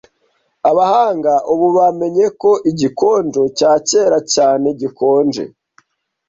Abahanga ubu bamenye ko igikonjo cya kera cyane gikonje